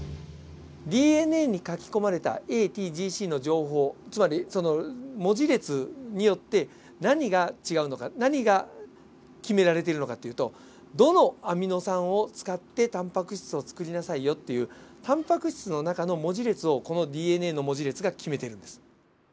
ＤＮＡに書き込まれたＡＴＧＣの情報つまりその文字列によって何が違うのか何が決められているのかというとどのアミノ酸を使ってタンパク質を作りなさいよっていうタンパク質の中の文字列をこのＤＮＡの文字列が決めてるんです。